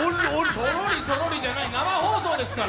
そろりそろりじゃない、生放送ですから。